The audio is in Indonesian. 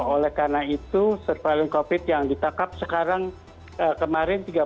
oleh karena itu surveillance covid yang ditangkap sekarang kemarin tiga puluh delapan sekarang empat puluh tujuh